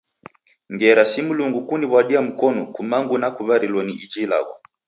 Ngera si Mlungu kuniw'wadia mkonu, kumangu nikuw'arilo ni iji ilagho.